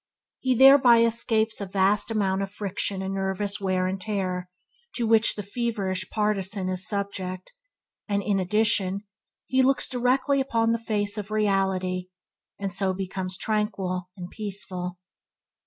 He thereby escapes a vast amount of friction and nervous wear and tear to which the feverish partisan is subject; and in addition, he looks directly upon the face of Reality, and so becomes tranquil and peaceful.